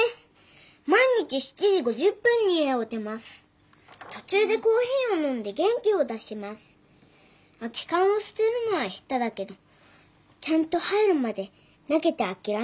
「毎日７時５０分に家を出ます」「途中でコーヒーを飲んで元気を出します」「空き缶を捨てるのは下手だけどちゃんと入るまで投げて諦めません」